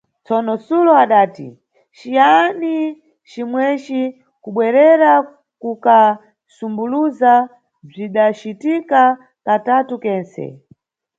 Tsono, Sulo adati "ciyani cimweci" kubwerera kuka sumbuluza, bzidacitika katatu kense.